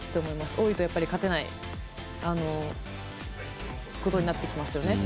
多いと勝てないことになってきますよね。